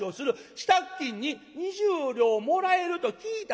支度金に２０両もらえると聞いた途端に嫁さんが。